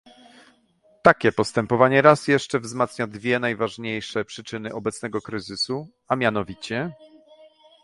Takie postępowanie raz jeszcze wzmacnia dwie najważniejsze przyczyny obecnego kryzysu, a mianowicie